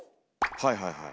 はいはいはい。